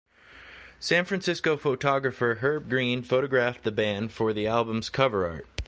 San Francisco photographer Herb Greene photographed the band for the album's cover art.